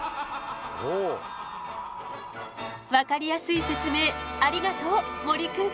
分かりやすい説明ありがとう森くん！